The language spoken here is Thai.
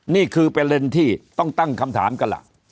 นี่คือประเด็นที่ต้องตั้งคำถามกันล่ะ